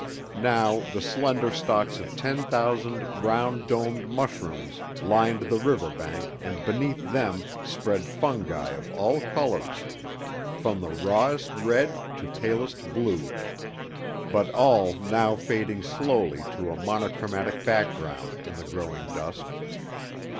Now the slender stalks of ten thousand round domed mushrooms lined the river bank and beneath them spread fungi of all colors, from the rawest red to palest blue, but all now fading slowly to a monochromatic background in the growing dusk.